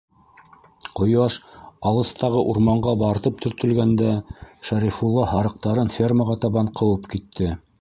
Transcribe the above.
Ҡояш алыҫтағы урманға барып төртөлгәндә, Шәрифулла һарыҡтарын фермаға табан ҡыуып китте.